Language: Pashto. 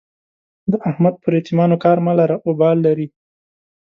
د احمد پر يتيمانو کار مه لره؛ اوبال لري.